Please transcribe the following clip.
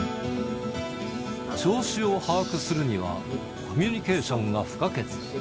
調子を把握するには、コミュニケーションが不可欠。